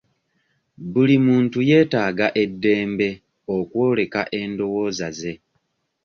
Buli muntu yetaaga e ddembe okwoleka endowooza ze.